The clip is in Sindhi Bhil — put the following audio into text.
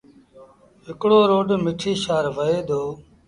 هڪڙوروڊ مٺيٚ شآهر وهي دو۔